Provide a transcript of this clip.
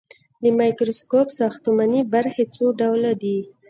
د مایکروسکوپ ساختماني برخې څو ډوله دي.